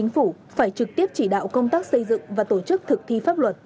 phủ phải trực tiếp chỉ đạo công tác xây dựng và tổ chức thực thi pháp luật